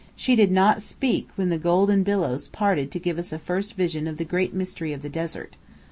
She did not speak when the golden billows parted to give us a first vision of the great Mystery of the Desert.